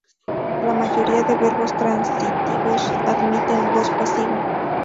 La mayoría de verbos transitivos admiten voz pasiva.